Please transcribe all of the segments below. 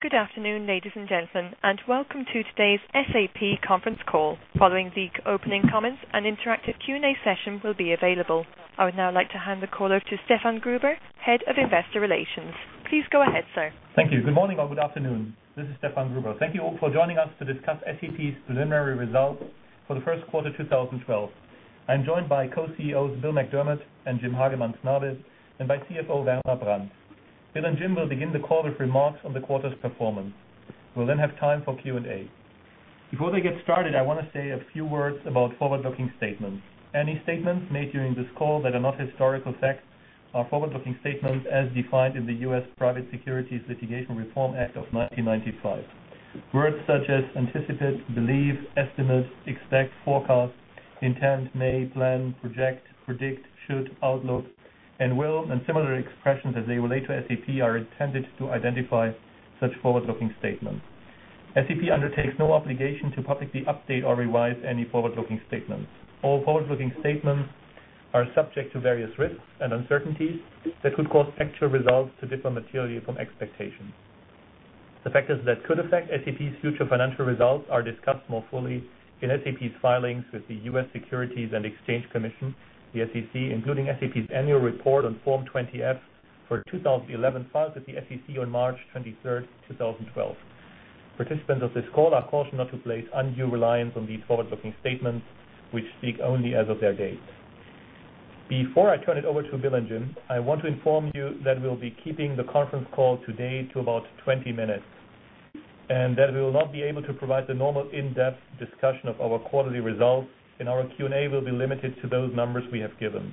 Good afternoon ladies and gentlemen and welcome to today's SAP conference call. Following the opening comments an interactive Q&A session will be available. I would now like to hand the call over to Stefan Gruber, Head of Investor Relations. Please go ahead sir. Thank you, good morning or good afternoon, this is Stefan Gruber. Thank you all for joining us to discuss SAP's preliminary results for the first quarter 2012. I'm joined by Co-CEOs Bill McDermott and Jim Snabe, and by CFO Werner Brandt. Bill and Jim will begin the call with remarks on the quarter's performance. We'll then have time for Q&A. Before they get started I want to say a few words about forward-looking statements. Any statements made during this call that are not historical facts are forward-looking statements as defined in the U.S. Private Securities Litigation Reform Act of 1995. Words such as anticipate, believe, estimate, expect, forecast, intend, may, plan, project, predict, should, outlook, and will, and similar expressions as they relate to SAP are intended to identify such forward-looking statements. SAP undertakes no obligation to publicly update or revise any forward-looking statements. All forward-looking statements are subject to various risks and uncertainties that could cause actual results to differ materially from expectations. The factors that could affect SAP's future financial results are discussed more fully in SAP's filings with the U.S. Securities and Exchange Commission, the SEC, including SAP's annual report on Form 20-F for 2011 filed with the SEC on March 23, 2012. Participants of this call are cautioned not to place undue reliance on these forward-looking statement which speak only as of their date. Before I turn it over to Bill and Jim, I want to inform you that we'll be keeping the conference call today to about 20 minutes and that we will not be able to provide the normal in-depth discussion of our quarterly results and our Q&A will be limited to those numbers we have given.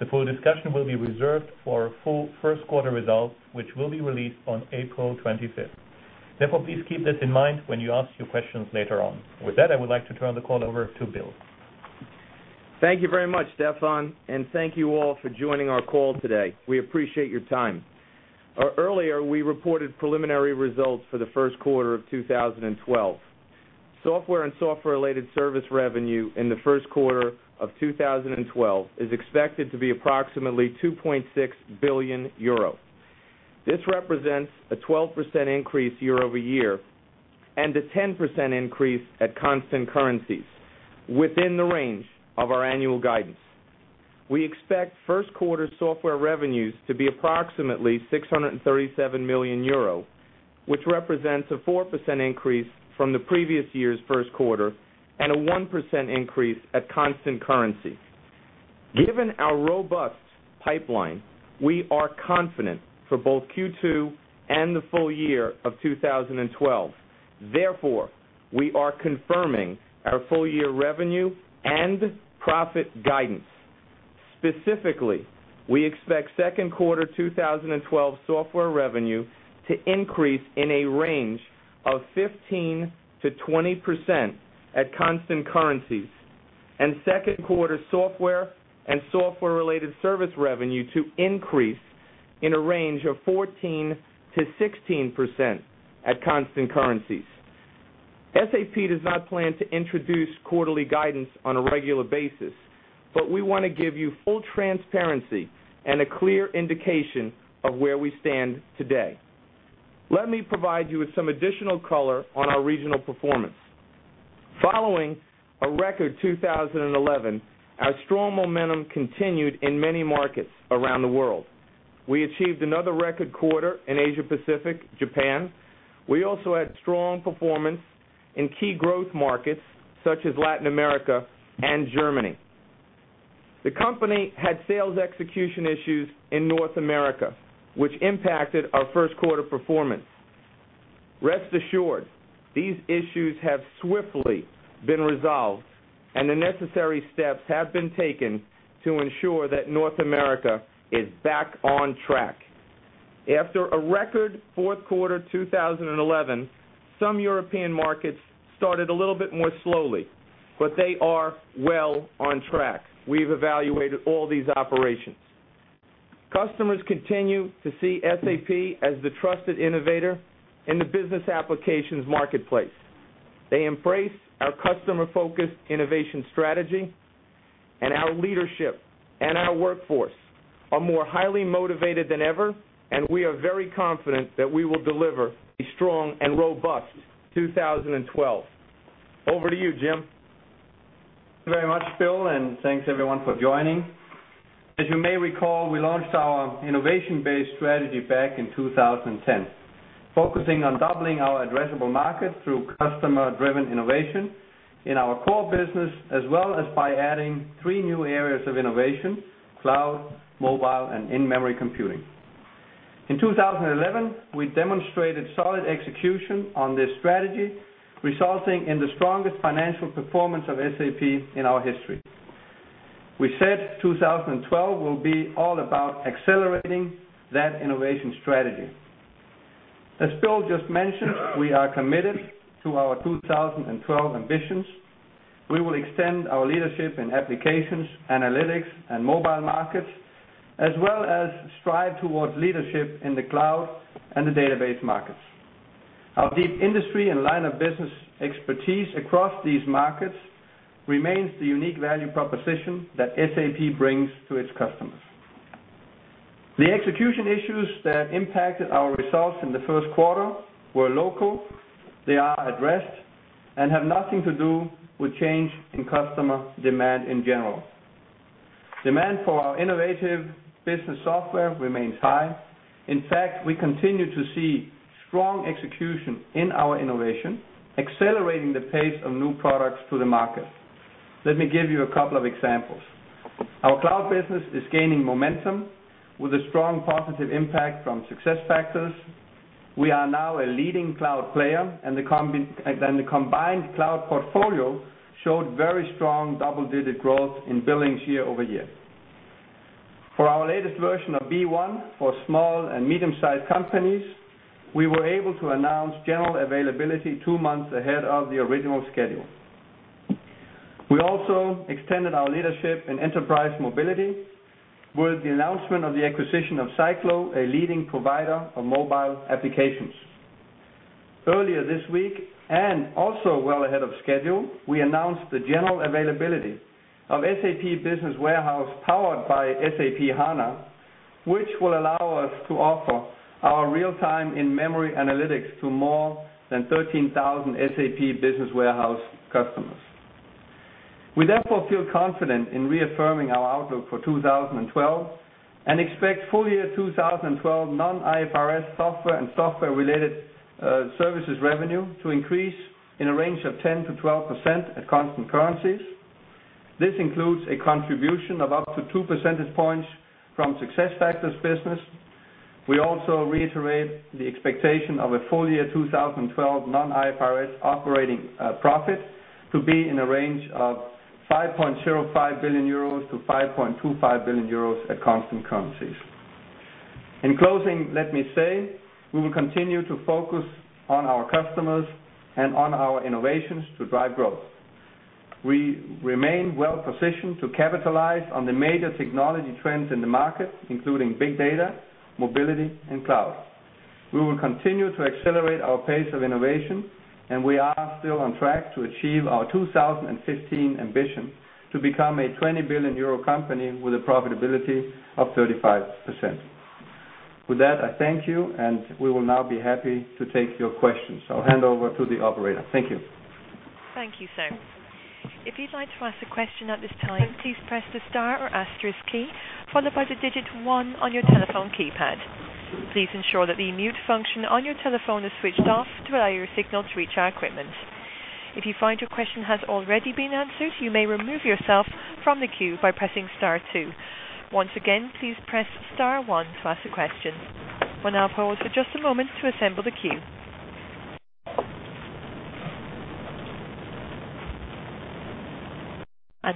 The full discussion will be reserved for full first quarter results which will be released on April 25. Therefore please keep this in mind when you ask your questions later on. With that I would like to turn the call over to Bill. Thank you very much, Stefan, and thank you all for joining our call today. We appreciate your time. Earlier we reported preliminary results for the first quarter of 2012. Software and software-related service revenue in the first quarter of 2012 is expected to be approximately €2.6 billion. This represents a 12% increase year over year and a 10% increase at constant currencies within the range of our annual guidance. We expect first quarter software revenue to be approximately €637 million, which represents a 4% increase from the previous year's first quarter and a 1% increase at constant currency. Given our robust pipeline, we are confident for both Q2 and the full year of 2012. Therefore, we are confirming our full-year revenue and profit guidance. Specifically, we expect second quarter 2012 software revenue to increase in a range of 15% to 20% at constant currencies and second quarter software and software-related service revenue to increase in a range of 14% to 16% at constant currencies. SAP does not plan to introduce quarterly guidance on a regular basis, but we want to give you full transparency and a clear indication of where we stand today. Let me provide you with some additional color on our regional performance. Following a record 2011, our strong momentum continued in many markets around the world. We achieved another record quarter in Asia-Pacific Japan. We also had strong performance in key growth markets such as Latin America and Germany. The company had sales execution issues in North America which impacted our first quarter performance. Rest assured, these issues have swiftly been resolved and the necessary steps have been taken to ensure that North America is back on track. After a record fourth quarter 2011, some European markets started a little bit more slowly but they are well on track. We've evaluated all these operations. Customers continue to see SAP as the trusted innovator in the business applications marketplace. They embrace our customer-focused innovation strategy and our leadership and our workforce are more highly motivated than ever and we are very confident that we will deliver a strong and robust 2012. Over to you Jim. Thank you very much Bill and thanks everyone for joining. As you may recall we launched our innovation-based strategy back in 2010, focusing on doubling our addressable markets through customer-driven innovation in our core business as well as by adding three new areas of innovation: cloud, mobile, and in-memory computing. In 2011, we demonstrated solid execution on this strategy, resulting in the strongest financial performance of SAP in our history. We said 2012 will be all about accelerating that innovation strategy. As Bill just mentioned, we are committed to our 2012 ambitions. We will extend our leadership in applications, analytics, and mobile markets, as well as strive towards leadership in the cloud and the database markets. Our deep industry and line of business expertise across these markets remains the unique value proposition that SAP brings to its customers. The execution issues that impacted our results in the first quarter were local. They are at rest and have nothing to do with change in customer demand in general. Demand for our innovative business software remains high. In fact we continue to see strong execution in our innovation, accelerating the pace of new products to the market. Let me give you a couple of examples. Our cloud business is gaining momentum with a strong positive impact from SuccessFactors. We are now a leading cloud player and the combined cloud portfolio showed very strong double-digit growth in billings year over year. For our latest version of B1, for small and medium-sized companies, we were able to announce general availability two months ahead of the original schedule. We also extended our leadership in enterprise mobility with the announcement of the acquisition of Cyclo, a leading provider of mobile applications. Earlier this week, and also well ahead of schedule, we announced the general availability of SAP Business Warehouse powered by SAP HANA, which will allow us to offer our real-time in-memory analytics to more than 13,000 SAP Business Warehouse customers. We therefore feel confident in reaffirming our outlook for 2012 and expect full-year 2012 non-IFRS software and software-related services revenue to increase in a range of 10% to 12% at constant currencies. This includes a contribution of up to two percentage points from SuccessFactors business. We also reiterate the expectation of a full-year 2012 non-IFRS operating profit to be in a range of €5.05 billion to €5.25 billion at constant currencies. In closing let me say we will continue to focus on our customers and on our innovations to drive growth. We remain well-positioned to capitalize on the major technology trends in the market, including big data, mobility and cloud. We will continue to accelerate our pace of innovation, and we are still on track to achieve our 2015 ambition to become a €20 billion company with a profitability of 35%. With that I thank you and we will now be happy to take your questions. I'll hand over to the operator. Thank you. Thank you sir. If you'd like to ask a question at this time, please press the star or asterisk key followed by the digit one on your telephone keypad. Please ensure that the mute function on your telephone is switched off to allow your signal to reach our equipment. If you find your question has already been answered you may remove yourself from the queue by pressing star two. Once again, please press star one to ask a question. We'll now pause for just a moment to assemble the queue.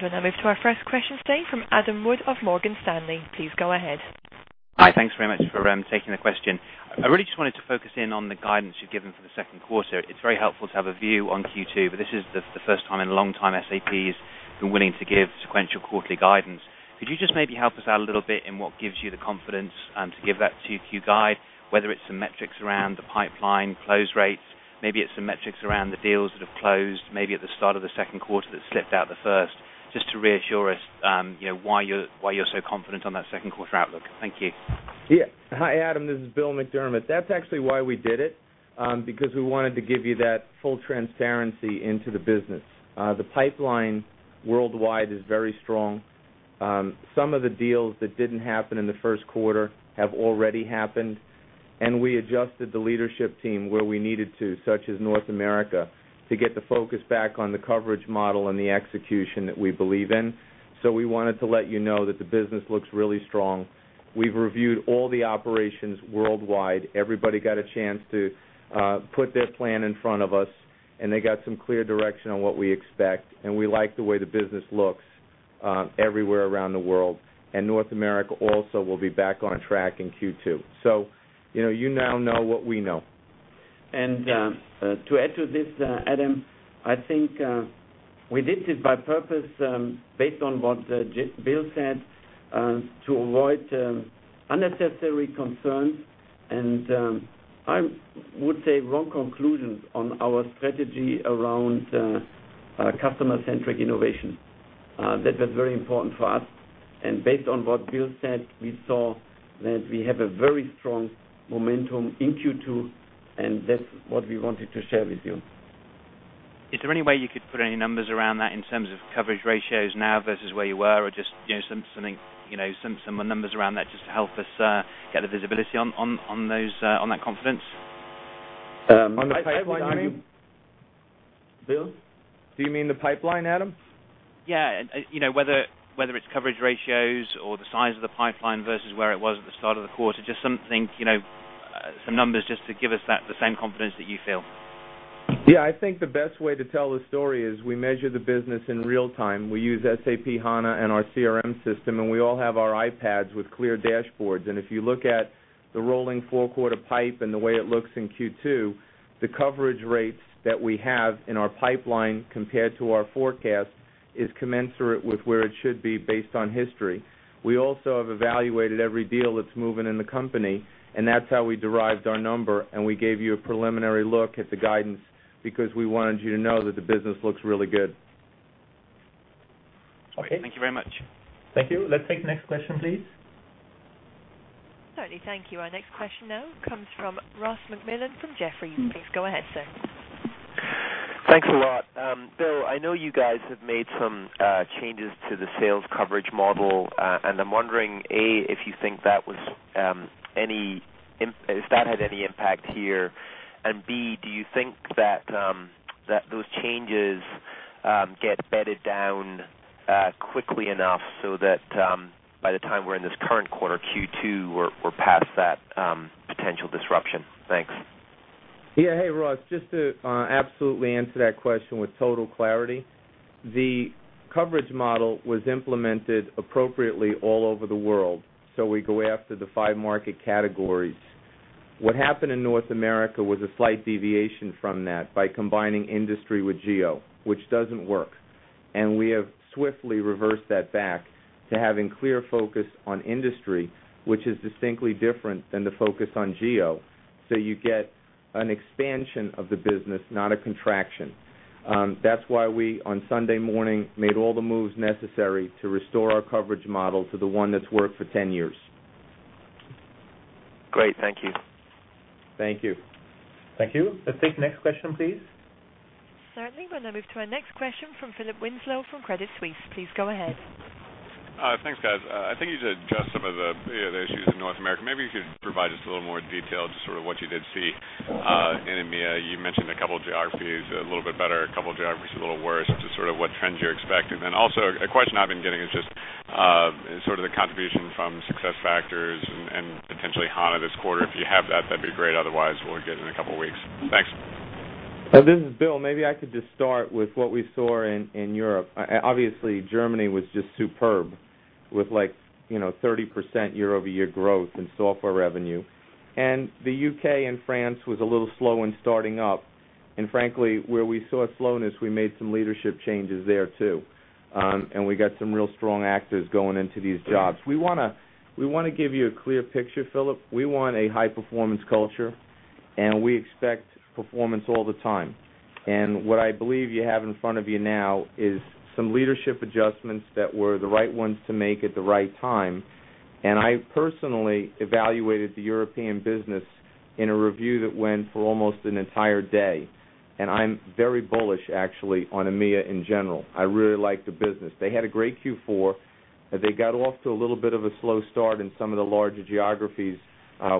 We'll now move to our first question today from Adam Dennis Wood of Morgan Stanley. Please go ahead. Hi thanks very much for taking the question. I really just wanted to focus in on the guidance you've given for the second quarter. It's very helpful to have a view on Q but this is the first time in a long time SAP's been willing to give sequential quarterly guidance. Could you just maybe help us out a little bit in what gives you the confidence to give that two-Q guide, whether it's some metrics around the pipeline close rates, maybe it's some metrics around the deals that have closed, maybe at the start of the second quarter that slipped out the first, just to reassure us why you're so confident on that second quarter outlook? Thank you. Hi Adam this is Bill McDermott. That's actually why we did it, because we wanted to give you that full transparency into the business. The pipeline worldwide is very strong, some of the deals that didn't happen in the first quarter have already happened and we adjusted the leadership team where we needed to, such as North America, to get the focus back on the coverage model and the execution that we believe in. We wanted to let you know that the business looks really strong. We've reviewed all the operations worldwide. Everybody got a chance to put their plan in front of us and they got some clear direction on what we expect and we like the way the business looks everywhere around the world and North America also will be back on track in Q2. You now know what we know. To add to this, Adam, I think we did this by purpose, based on what Bill said, to avoid unnecessary concerns and I would say wrong conclusions on our strategy around customer-centric innovation. That was very important for us. Based on what Bill said, we saw that we have a very strong momentum in Q2, and that's what we wanted to share with you. Is there any way you could put any numbers around that in terms of coverage ratios now versus where you were or just some numbers around that just to help us get the visibility on that confidence? On the pipeline, you mean? Bill, do you mean the pipeline, Adam? Whether it's coverage ratios or the size of the pipeline versus where it was at the start of the quarter, just something, some numbers just to give us that same confidence that you feel. Yeah, I think the best way to tell the story is we measure the business in real time. We use SAP HANA and our CRM system, and we all have our iPads with clear dashboards. If you look at the rolling four-quarter pipe and the way it looks in Q2, the coverage rates that we have in our pipeline compared to our forecast is commensurate with where it should be based on history. We also have evaluated every deal that's moving in the company, and that's how we derived our number, and we gave you a preliminary look at the guidance because we wanted you to know that the business looks really good. Okay, thank you very much. Thank you. Let's take the next question, please. Certainly thank you. Our next question now comes from Ross MacMillan from Jefferies. Please go ahead, sir. Thanks a lot. Bill I know you guys have made some changes to the sales coverage model and I'm wondering, A, if you think that had any impact here, and, B, do you think that those changes get bedded down quickly enough so that by the time we're in this current quarter Q2, we're past that potential disruption? Thanks. Yeah, Ross, just to absolutely answer that question with total clarity, the coverage model was implemented appropriately all over the world. We go after the five market categories. What happened in North America was a slight deviation from that by combining industry with geo which doesn't work. We have swiftly reversed that back to having clear focus on industry which is distinctly different than the focus on geo. You get an expansion of the business not a contraction. That's why we on Sunday morning, made all the moves necessary to restore our coverage model to the one that's worked for 10 years. Great, thank you. Thank you. Thank you. Let's take the next question, please. Certainly we'll now move to our next question from Philip Winslow from Credit Suisse. Please go ahead. Thanks guys. I think you just addressed some of the issues in North America. Maybe you could provide just a little more detail just sort of what you did see. You mentioned a couple of geographies a little bit better, a couple of geographies a little worse, just sort of what trends you're expecting. Also, a question I've been getting is just sort of the contribution from SuccessFactors and potentially SAP HANA this quarter. If you have that, that'd be great. Otherwise, we'll get in a couple of weeks. Thanks. This is Bill. Maybe I could just start with what we saw in Europe. Obviously, Germany was just superb with like 30% year-over-year growth in software revenue. The UK and France were a little slow in starting up. Frankly, where we saw slowness we made some leadership changes there too. We got some real strong actors going into these jobs. We want to give you a clear picture, Philip. We want a high-performance culture and we expect performance all the time. What I believe you have in front of you now is some leadership adjustments that were the right ones to make at the right time and I personally evaluated the European business in a review that went for almost an entire day. I'm very bullish actually on EMEA in general. I really like the business, they had a great Q4. They got off to a little bit of a slow start in some of the larger geographies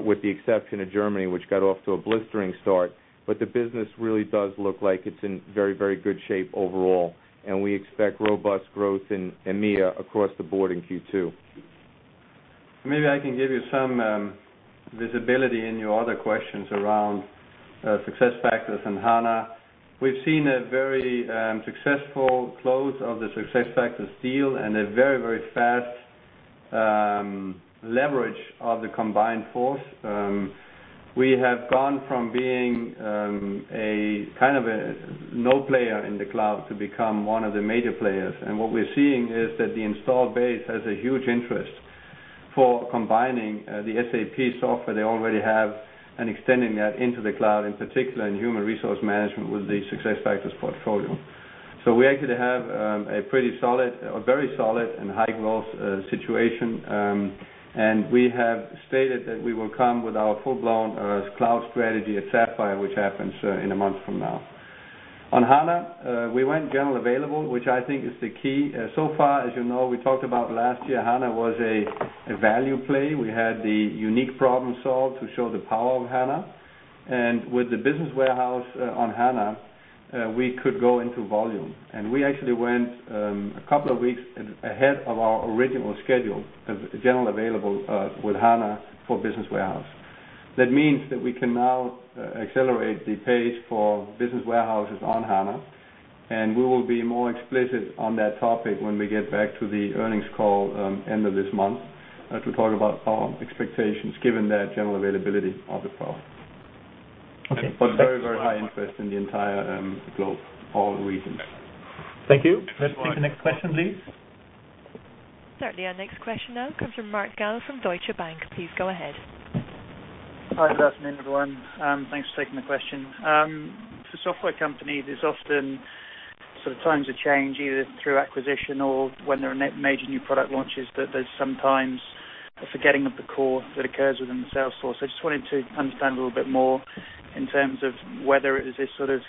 with the exception of Germany which got off to a blistering start. The business really does look like it's in very, very good shape overall and we expect robust growth in EMEA across the board in Q2. Maybe I can give you some visibility in your other questions around SuccessFactors and HANA. We've seen a very successful close of the SuccessFactors deal and a very, very fast leverage of the combined force. We have gone from being a kind of a no-player in the cloud to become one of the major players and what we're seeing is that the installed base has a huge interest for combining the SAP software they already have and extending that into the cloud in particular in human resource management with the SuccessFactors portfolio. We actually have a pretty solid or very solid and high growth situation. We have stated that we will come with our full-blown cloud strategy at Sapphire which happens in a month from now. On HANA, we went general available, which I think is the key. So far, as you know we talked about last year HANA was a value play. We had the unique problem solved to show the power of HANA. With the business warehouse powered by HANA, we could go into volume. We actually went a couple of weeks ahead of our original schedule of general available with HANA for business warehouse. That means that we can now accelerate the pace for business warehouses on HANA. We will be more explicit on that topic when we get back to the earnings call end of this month to talk about our expectations given that general availability of the product. Very, very high interest in the entire globe all regions. Thank you. Let's take the next question, please. Certainly. Our next question now comes from Marc Rolfe from Deutsche Bank. Please go ahead. Hi good afternoon everyone. Thanks for taking the question. For software companies there's often sort of times of change either through acquisition or when there are major new product launches that there's sometimes a forgetting of the core that occurs within the sales force. I just wanted to understand a little bit more in terms of whether it was this sort of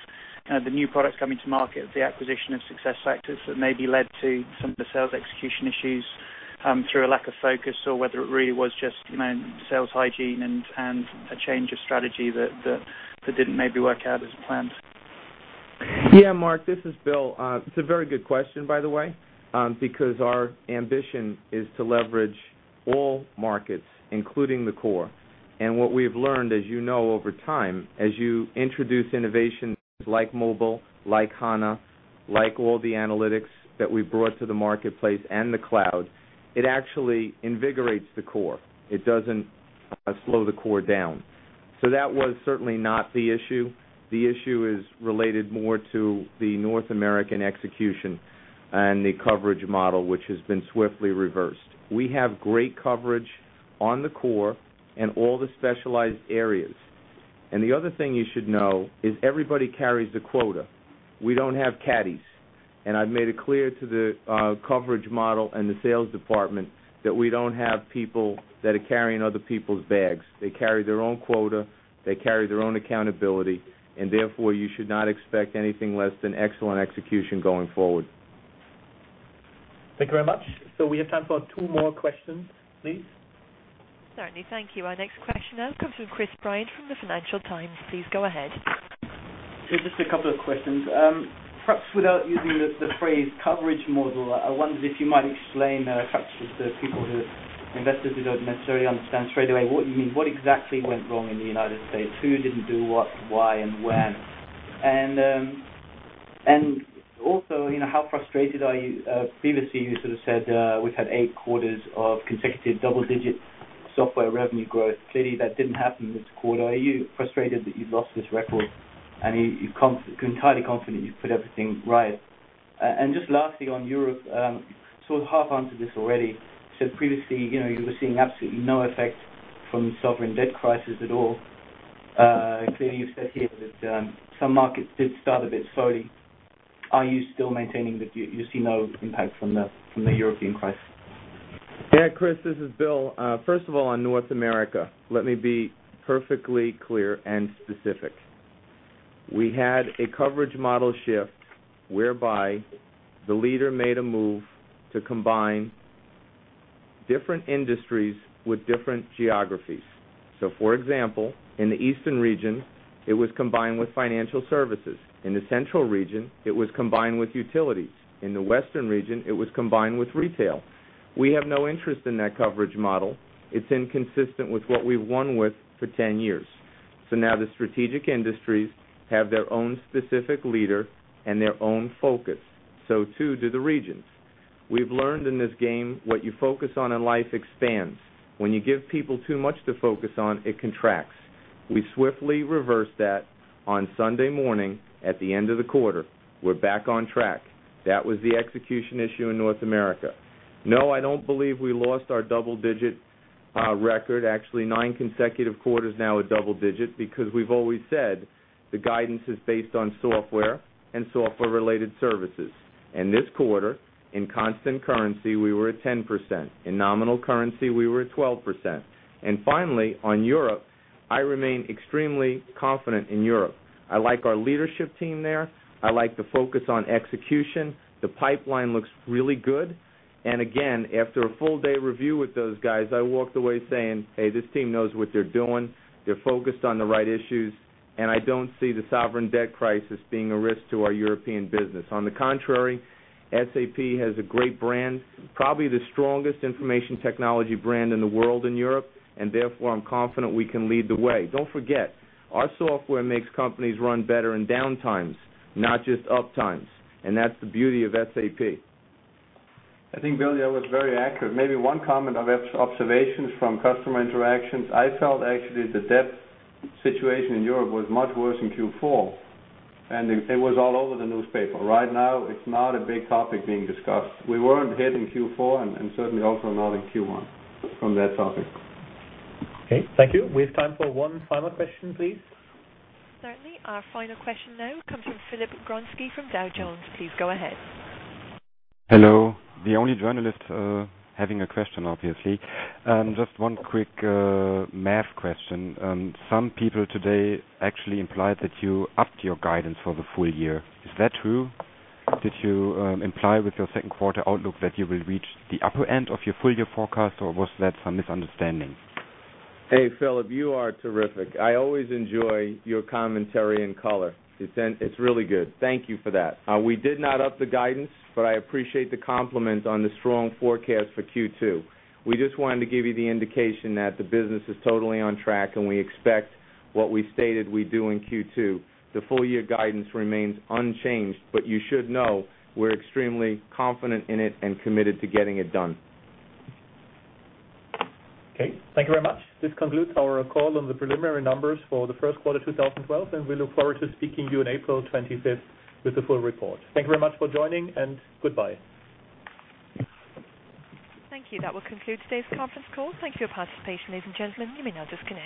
the new products coming to market the acquisition of SuccessFactors that maybe led to some of the sales execution issues through a lack of focus or whether it really was just sales hygiene and a change of strategy that didn't maybe work out as planned. Yeah Marc this is Bill. It's a very good question by the way because our ambition is to leverage all markets including the core. What we've learned as you know over time as you introduce innovations like mobile, like HANA, like all the analytics that we brought to the marketplace and the cloud, it actually invigorates the core. It doesn't slow the core down. That was certainly not the issue. The issue is related more to the North American execution and the coverage model, which has been swiftly reversed. We have great coverage on the core and all the specialized areas. The other thing you should know is everybody carries the quota, we don't have caddies. I've made it clear to the coverage model and the sales department that we don't have people that are carrying other people's bags, they carry their own quota, they carry their own accountability. Therefore, you should not expect anything less than excellent execution going forward. Thank you very much. We have time for two more questions, please. Certainly, thank you. Our next question now comes from Chris Bryant from the Financial Times. Please go ahead. Just a couple of questions. Perhaps without using the phrase coverage model I wondered if you might explain perhaps just for the people who invested who don't necessarily understand straight away what you mean what exactly went wrong in the United States who didn't do what, why, and when. Also, how frustrated are you? Previously, you sort of said we've had eight quarters of consecutive double-digit software revenue growth. Clearly, that didn't happen this quarter. Are you frustrated that you lost this record? You're entirely confident you've put everything right. Just lastly on Europe you sort of half answered this already. You said previously you were seeing absolutely no effect from the sovereign debt crisis at all. Clearly, you've said here that some markets did start a bit slowly. Are you still maintaining that you see no impact from the European crisis? Yeah Chris, this is Bill. First of all on North America, let me be perfectly clear and specific. We had a coverage model shift whereby the leader made a move to combine different industries with different geographies. For example; in the eastern region, it was combined with financial services. In the central region, it was combined with utilities. In the western region, it was combined with retail. We have no interest in that coverage model. It's inconsistent with what we've won with for 10 years. Now the strategic industries have their own specific leader and their own focus. The regions do as well. We've learned in this game what you focus on in life expands. When you give people too much to focus on it contracts. We swiftly reversed that on Sunday morning at the end of the quarter. We're back on track. That was the execution issue in North America. No I don't believe we lost our double-digit record. Actually nine consecutive quarters now are double-digit because we've always said the guidance is based on software and software-related services. This quarter, in constant currency, we were at 10%. In nominal currency, we were at 12% and finally on Europe, I remain extremely confident in Europe. I like our leadership team there, I like the focus on execution, the pipeline looks really good and again after a full-day review with those guys, I walked away saying, hey, this team knows what they're doing, they're focused on the right issues and I don't see the sovereign debt crisis being a risk to our European business. On the contrary, SAP has a great brand, probably the strongest information technology brand in the world in Europe. Therefore, I'm confident we can lead the way. Don't forget, our software makes companies run better in downtimes, not just uptimes. That's the beauty of SAP. I think, Bill, that was very accurate. Maybe one comment of observations from customer interactions. I felt actually the debt situation in Europe was much worse in Q4, and it was all over the newspaper. Right now, it's not a big topic being discussed. We weren't hit in Q4 and certainly also not in Q1 from that topic. Okay, thank you. We have time for one final question, please. Certainly. Our final question now comes from Philip Gronski from Dow Jones. Please go ahead. Hello. The only journalist having a question obviously. Just one quick math question. Some people today actually implied that you upped your guidance for the full year. Is that true? Did you imply with your second quarter outlook that you will reach the upper end of your full-year forecast, or was that some misunderstanding? Hey Philip you are terrific. I always enjoy your commentary and color. It's really good. Thank you for that. We did not up the guidance, but I appreciate the compliment on the strong forecast for Q2. We just wanted to give you the indication that the business is totally on track and we expect what we stated we'd do in Q2. The full-year guidance remains unchanged but you should know we're extremely confident in it and committed to getting it done. Okay. Thank you very much. This concludes our call on the preliminary numbers for the first quarter of 2012, and we look forward to speaking to you on April 25 with the full report. Thank you very much for joining and goodbye. Thank you. That will conclude today's conference call. Thanks for your participation ladies and gentlemen. You may now disconnect.